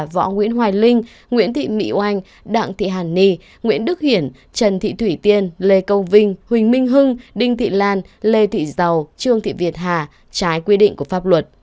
võ nguyễn hoài linh nguyễn thị mỹ oanh đặng thị hàn ni nguyễn đức hiển trần thị thủy tiên lê câu vinh huỳnh minh hưng đinh thị lan lê thị giàu trương thị việt hà trái quy định của pháp luật